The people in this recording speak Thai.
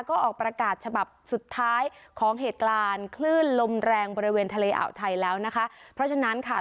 ก็ออกประกาศฉบับสุดท้ายของเหตุการณ์คลื่นลมแรงบริเวณทะเลอ่าวไทยแล้วนะคะเพราะฉะนั้นค่ะ